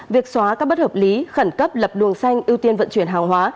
việc xóa các bất hợp lý khẩn cấp lập luồng xanh ưu tiên vận chuyển hàng hóa